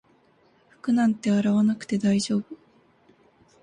服なんて洗わなくて大丈夫